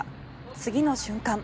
次の瞬間